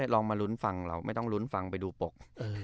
ลองมาลุ้นฟังเราไม่ต้องลุ้นฟังไปดูปก